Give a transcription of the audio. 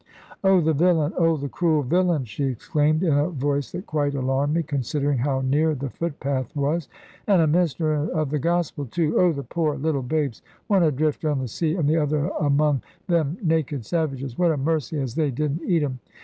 "Oh the villain! oh the cruel villain!" she exclaimed, in a voice that quite alarmed me, considering how near the footpath was; "and a minister of the Gospel too! Oh the poor little babes, one adrift on the sea, and the other among them naked savages! What a mercy as they didn't eat him!